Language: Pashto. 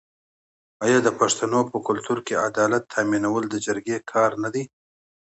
آیا د پښتنو په کلتور کې عدالت تامینول د جرګې کار نه دی؟